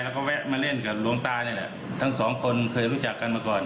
แล้วก็แวะมาเล่นกับหลวงตานี่แหละทั้งสองคนเคยรู้จักกันมาก่อน